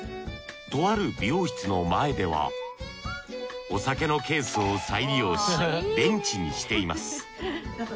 とある美容室の前ではお酒のケースを再利用しベンチにしています。